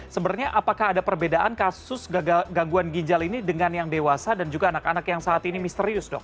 sebenarnya apakah ada perbedaan kasus gangguan ginjal ini dengan yang dewasa dan juga anak anak yang saat ini misterius dok